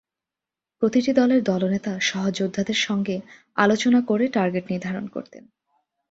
প্রতিটি দলের দলনেতা সহযোদ্ধাদের সঙ্গে আলোচনা করে টার্গেট নির্ধারণ করতেন।